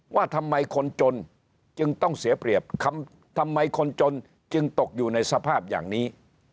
ว่าทำไมคนจนจึงต้องเสียเปรียบทำไมคนจนจึงตกอยู่ในสภาพอย่างนี้